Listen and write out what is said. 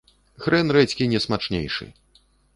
Хрэн рэдзькі не смачнейшы.